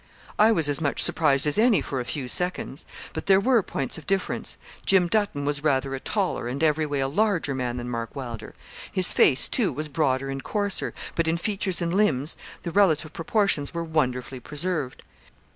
I was as much surprised as any for a few seconds. But there were points of difference Jim Dutton was rather a taller and every way a larger man than Mark Wylder. His face, too, was broader and coarser, but in features and limbs the relative proportions were wonderfully preserved.